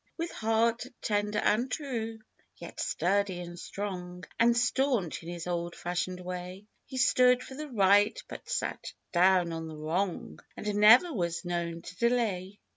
With heart tender and true, yet sturdy and strong, And staunch, in his old fashioned way He stood for the right, but "sat down" on the wrong And never was known to delay.